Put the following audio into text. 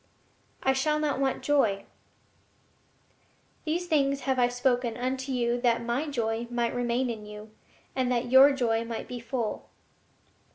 I shall not want joy. "These things have I spoken unto you that My joy might remain in you, and that your joy might be full."